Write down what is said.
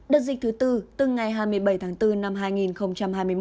đợt dịch thứ tư từ ngày hai mươi bảy tháng bốn năm hai nghìn một mươi chín